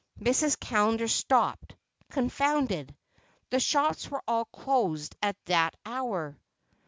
Mrs. Callender stopped, confounded. The shops were all closed at that hour.